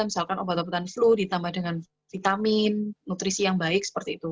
misalkan obat obatan flu ditambah dengan vitamin nutrisi yang baik seperti itu